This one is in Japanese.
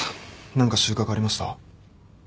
何か収穫ありました？